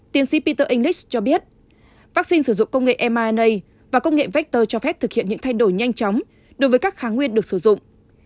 tiến sĩ peter english cho biết vaccine sử dụng công nghệ mna và công nghệ vector cho phép thực hiện những thay đổi nhanh chóng đối với các kháng nguyên được sử dụng